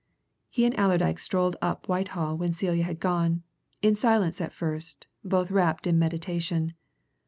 He and Allerdyke strolled up Whitehall when Celia had gone in silence at first, both wrapped in meditation.